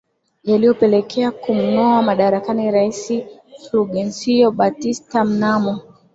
Yaliyopelekea kumngoa madarakani Rais Fulgencio Batista mnamo